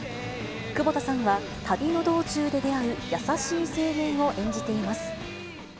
窪田さんは旅の道中で出会う優しい青年を演じています。